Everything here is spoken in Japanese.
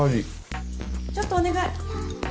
ちょっと、お願い。